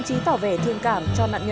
cảm ơn em cảm ơn anh ạ